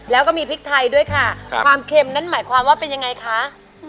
แล้วก็มีพริกไทยด้วยค่ะความเค็มนั้นหมายความว่าเป็นยังไงคะ